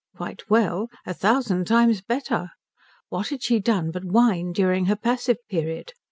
Quite well? A thousand times better. What had she done but whine during her passive period?